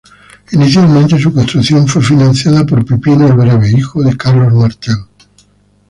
Inicialmente, su construcción fue financiada por Pipino el Breve, hijo de Carlos Martel.